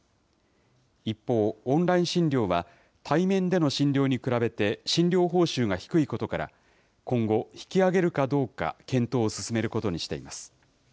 一方、オンライン診療は、対面での診療に比べて、診療報酬が低いことから、今後、引き上げるかどうか検討を進めることにしています。